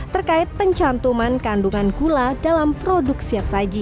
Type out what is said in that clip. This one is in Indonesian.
terkait pencantuman kandungan gula dalam produk siap saji